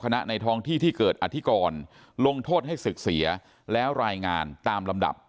ในท้องที่ที่เกิดอธิกรลงโทษให้ศึกเสียแล้วรายงานตามลำดับ